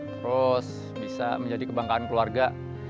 terus bisa menjadi kebanggaan keluarga